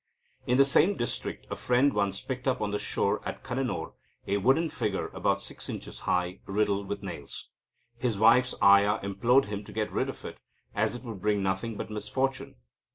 In the same district, a friend once picked up on the shore at Cannanore a wooden figure about 6 inches high, riddled with nails. His wife's ayah implored him to get rid of it, as it would bring nothing but misfortune.